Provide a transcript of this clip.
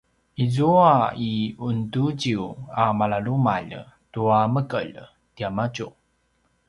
izua i unduziyu a malalumalj tua mekelj tiamadju